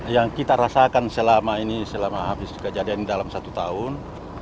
yang kita rasakan selama ini selama habis kejadian dalam satu tahun